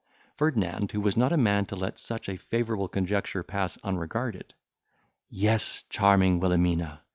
Ferdinand was not a man to let such a favourable conjuncture pass unregarded. "Yes, charming Wilhelmina!"